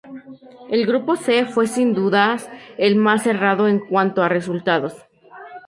El Grupo C fue sin dudas el más cerrado en cuanto a resultados.